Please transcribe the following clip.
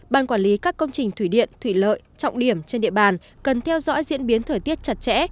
ban quản lý các công trình thủy điện thủy lợi trọng điểm trên địa bàn cần theo dõi diễn biến thời tiết chặt chẽ